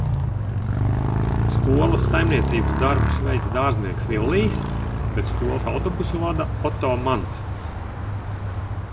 Skolas saimniecības darbus veic Dārznieks Villijs, bet skolas autobusu vada Oto Mans.